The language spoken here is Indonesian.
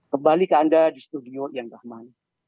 kembali ke anda di studio yang rahman